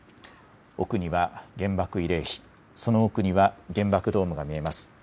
奥には原爆慰霊碑、その奥には原爆ドームが見えます。